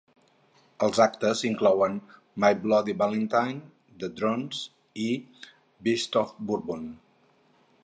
Els actes inclouen My Bloody Valentine, The Drones i Beasts of Bourbon.